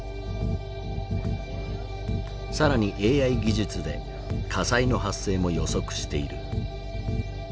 更にＡＩ技術で火災の発生も予測している。